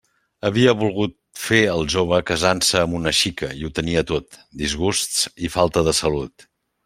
Havia volgut fer el jove casant-se amb una xica, i ho tenia tot: disgusts i falta de salut.